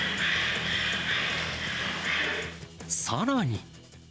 さらに。